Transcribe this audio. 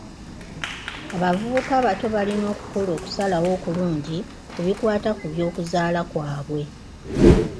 Abavubuka abato balina okukola okusalawo okulungi ku bikwata ku by'okuzaala kwabwe.